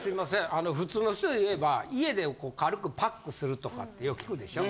あの普通の人でいえば家で軽くパックするとかってよく聞くでしょう？